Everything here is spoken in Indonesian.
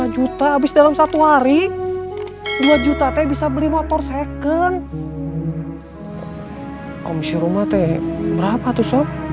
lima juta habis dalam satu hari dua juta teh bisa beli motor second komisi rumah teh berapa tuh sop